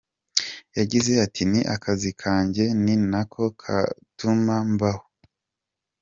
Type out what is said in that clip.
Yagize ati “Ni akazi kanjye ni na ko gatuma mbaho.